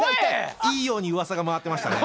いいようにうわさが回ってましたね。